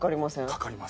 かかります。